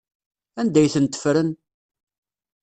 Anda ay tent-ffren?